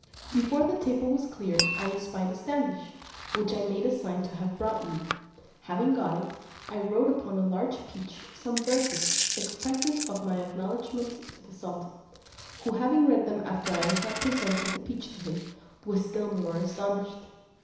Before the table was cleared, I espied a standish, which I made a sign to have brought me; having got it, I wrote upon a large peach some verses expressive of my acknowledgment to the sultan; who having read them after I had presented the peach to him, was still more astonished.